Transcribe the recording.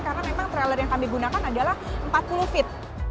karena memang trailer yang kami gunakan adalah empat puluh feet